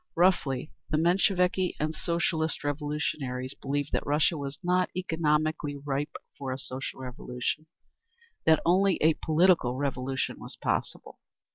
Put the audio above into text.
Roughly, the Mensheviki and Socialist Revolutionaries believed that Russia was not economically ripe for a social revolution—that only a political revolution was possible.